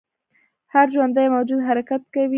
هر ژوندی موجود حرکت کوي